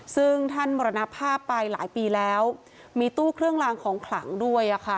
ซึ่งท่านมรณภาพไปหลายปีแล้วมีตู้เครื่องลางของขลังด้วย